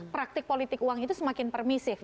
praktik politik uang itu semakin permisif